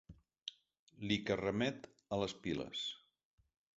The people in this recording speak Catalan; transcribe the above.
Li que remet a les piles.